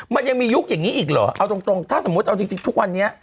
มันยังมียุคอย่างนี้อีกเหรอเอาตรงถ้าสมมุติเอาจริงทุกวันนี้